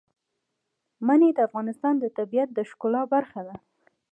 منی د افغانستان د طبیعت د ښکلا برخه ده.